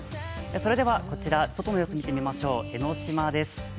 それでは外の様子、見てみましょう江の島です。